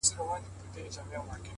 د موږک پر کور مېلمه د غم مرګی سو،